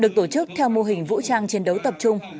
được tổ chức theo mô hình vũ trang chiến đấu tập trung